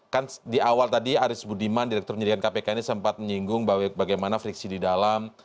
kan di awal tadi aris budiman direktur penyidikan kpk ini sempat menyinggung bahwa bagaimana friksi di dalam